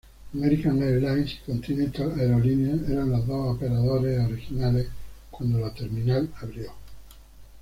American Airlines y Continental Aerolíneas eran los dos operadores originales cuando la terminal abrió.